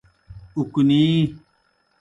اُکنِی۔